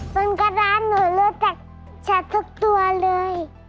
ต้นกระดาษหนูรู้จักชัดทุกตัวเลย